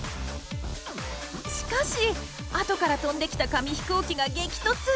しかしあとから飛んできた紙飛行機が激突！